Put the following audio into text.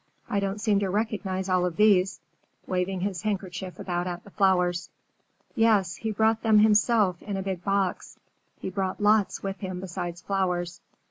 I don't seem to recognize all of these," waving his handkerchief about at the flowers. "Yes, he brought them himself, in a big box. He brought lots with him besides flowers.